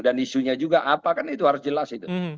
dan isunya juga apa kan itu harus jelas